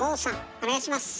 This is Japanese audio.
お願いします。